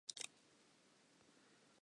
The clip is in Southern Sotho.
Tlatsa matshwao a puo dipolelong tsena.